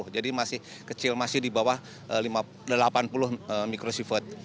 jadi masih kecil masih di bawah delapan puluh mikrosifot